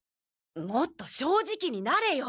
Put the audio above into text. もっと正直になれよ。